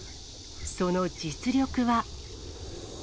その実力は。